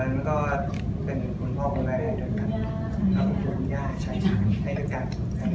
แล้วก็เป็นคุณพ่อคุณแม่คุณย่าใช่ใช่ให้ด้วยกัน